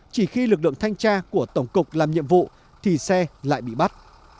chỉ khi lực lượng thanh tra của tổng cục làm nhiệm vụ thì xe lại bị bắt